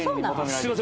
すいません。